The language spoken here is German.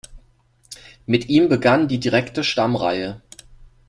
Mit ihm begann die direkte Stammreihe.